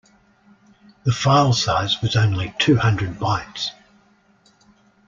The file size was only two hundred bytes.